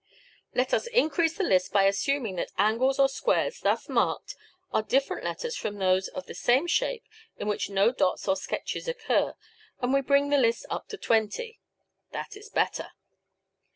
Let us increase the list by assuming that angles or squares thus marked are different letters from those of the same shape in which no dots or sketches occur, and we bring the list up to twenty. That is better.